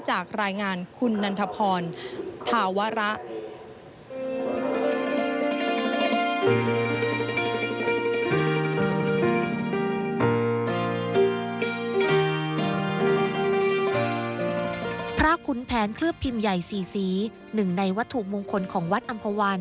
หนึ่งในวัตถุมงคลของวัดอำภาวัน